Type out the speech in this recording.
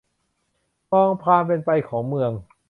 มองความเป็นไปของเมือง